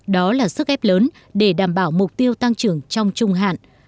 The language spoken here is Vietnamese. đó là sức ép lớn để đảm bảo mục tiêu tăng trưởng trong trung hạn